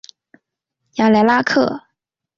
雅莱拉克。